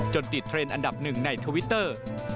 ติดเทรนด์อันดับหนึ่งในทวิตเตอร์